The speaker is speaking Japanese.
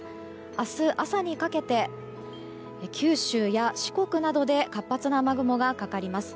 明日朝にかけて九州や四国などで活発な雨雲がかかります。